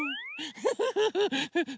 フフフフ。